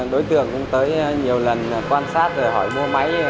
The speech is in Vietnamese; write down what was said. đối tượng cũng tới nhiều lần quan sát hỏi mua máy